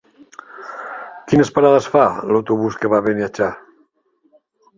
Quines parades fa l'autobús que va a Beniatjar?